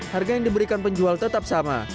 harga yang diberikan penjual tetap sama